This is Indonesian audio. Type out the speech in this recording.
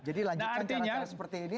jadi lanjutkan cara cara seperti ini